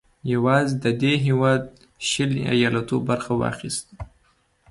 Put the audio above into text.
یوازې د دې هېواد شلي ایالتونو برخه واخیسته.